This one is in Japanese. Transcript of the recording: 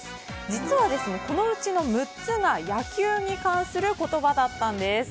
実は、このうちの６つが野球に関する言葉だったんです。